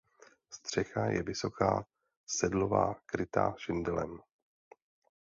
Střecha je vysoká sedlová krytá šindelem.